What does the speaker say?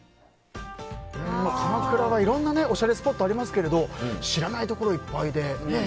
鎌倉はいろいろなおしゃれスポットがありますが知らないところ、いっぱいで。